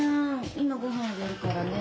今ごはんあげるからね。